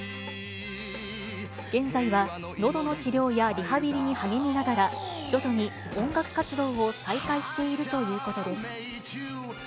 現在はのどの治療やリハビリに励みながら、徐々に音楽活動を再開しているということです。